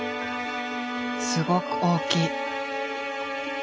すごく大きい。